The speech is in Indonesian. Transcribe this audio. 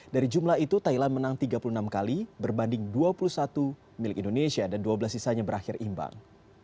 dari jumlah itu thailand menang tiga puluh enam kali berbanding dua puluh satu milik indonesia dan dua belas sisanya berakhir imbang